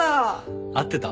合ってた？